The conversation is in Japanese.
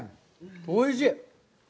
おいしい！